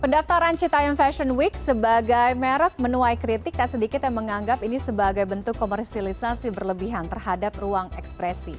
pendaftaran citaian fashion week sebagai merek menuai kritik tak sedikit yang menganggap ini sebagai bentuk komersilisasi berlebihan terhadap ruang ekspresi